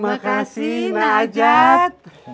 ini saya kesini bawa parsel